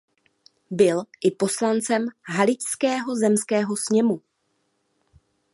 Byl i poslancem haličského zemského sněmu.